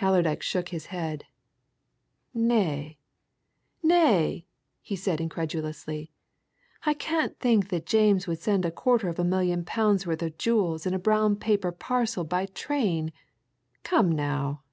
Allerdyke shook his head. "Nay, nay!" he said incredulously. "I can't think that James would send a quarter of a million pounds' worth of jewels in a brown paper parcel by train! Come, now!"